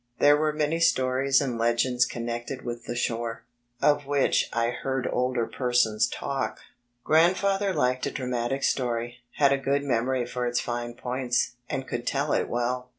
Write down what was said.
There were many stories and legends connected with the shore, of which I heard older persons talk. Grandfather (i9l b, Google liked a dramatic story, had a good memory for its fine points, and could tell it well.